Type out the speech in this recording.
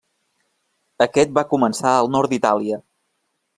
Aquest va començar al nord d'Itàlia.